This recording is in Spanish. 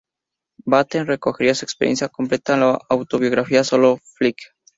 Batten recogería su experiencia completa en la autobiografía "Solo Flight".